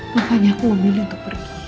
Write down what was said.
makanya aku memilih untuk pergi